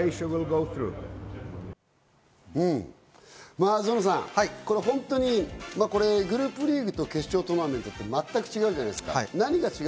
前園さん、本当にグループリーグと決勝トーナメントって全く違うじゃないですか。